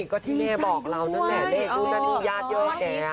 ก็ที่แม่บอกเรานั่นแหละดูนั่นมีญาติเยอะแก